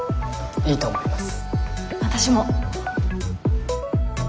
いいと思います。